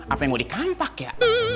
apa yang mau dikampak ya